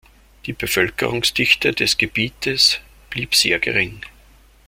Die Bevölkerungsdichte des Gebietes blieb sehr gering.